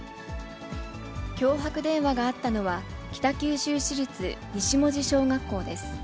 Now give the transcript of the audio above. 脅迫電話があったのは、北九州市立西門司小学校です。